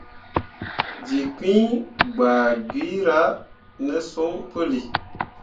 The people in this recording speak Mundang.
Jilkpiŋ gbah gira ne son puli.